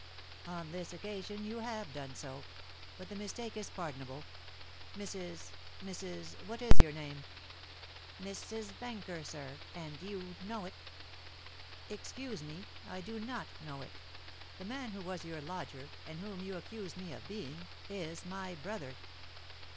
"On this occasion you have done so; but the mistake is pardonable. Mrs. Mrs. what is your name?" "Mrs. Benker, sir. And you know it." "Excuse me, I do not know it. The man who was your lodger, and whom you accuse me of being, is my brother."